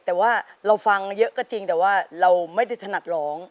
แต่ว่าเราฟังเยอะก็จริงแต่ว่าเราไม่ได้ถนัดร้อง